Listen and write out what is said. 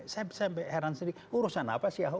saya sampai heran sedikit urusan apa sih ahok